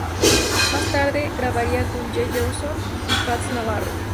Más tarde grabaría con J. J. Johnson y Fats Navarro.